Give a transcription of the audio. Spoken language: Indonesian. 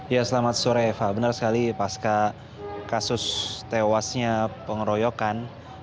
ya selamat sore eva benar sekali pas kasus tewasnya pengeroyokan